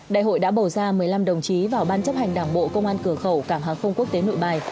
đại hội đã bầu ra một mươi năm đồng chí vào ban chấp hành đảng bộ công an cửa khẩu cảng hàng không quốc tế nội bài